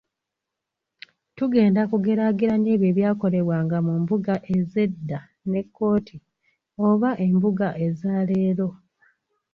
Tugenda kugeraageranya ebyo ebyakolebwanga mu mbuga ez’edda ne kkooti oba embuga eza leero.